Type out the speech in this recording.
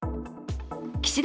岸田